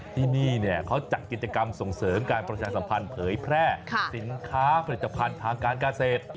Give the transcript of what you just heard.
ที่นี่เขาจัดกิจกรรมส่งเสริมการประชาสัมพันธ์เผยแพร่สินค้าผลิตภัณฑ์ทางการเกษตร